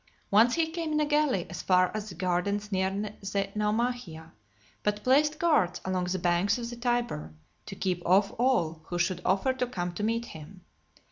Once he came in a galley as far as the gardens near the Naumachia, but placed guards along the banks of the Tiber, to keep off all who should offer to come to meet him.